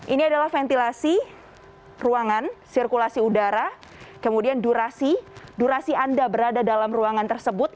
ini adalah ventilasi ruangan sirkulasi udara kemudian durasi durasi anda berada dalam ruangan tersebut